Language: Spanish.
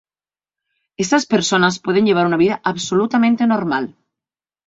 Estas personas pueden llevar una vida absolutamente normal.